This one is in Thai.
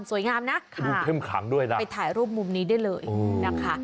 สวยงามนะดูเข้มขังด้วยนะไปถ่ายรูปมุมนี้ได้เลยนะคะ